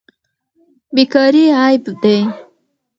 بیکاري عیب دی.